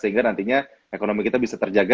sehingga nantinya ekonomi kita bisa terjaga